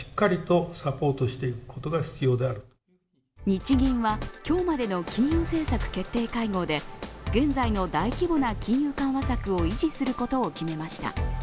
日銀は今日までの金融政策決定会合で現在の大規模な金融緩和策を維持することを決めました。